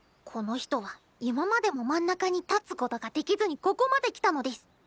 この人は今までも真ん中に立つことができずにここまで来たのデス。